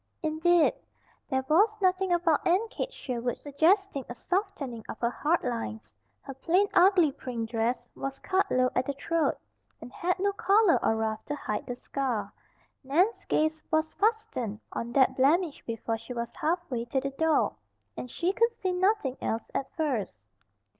Indeed, there was nothing about Aunt Kate Sherwood suggesting a softening of her hard lines. Her plain, ugly print dress was cut low at the throat, and had no collar or ruff to hide the scar. Nan's gaze was fastened on that blemish before she was half way to the door, and she could see nothing else at first.